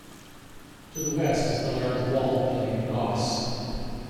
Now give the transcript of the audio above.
To the west is the large walled plain Gauss.